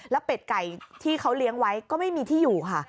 แล้วเป็ดไก่ที่เขาเลี้ยงไว้ก็ไม่มีที่อยู่ค่ะ